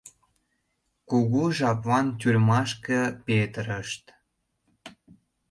Кугу жаплан тюрьмашке петырышт.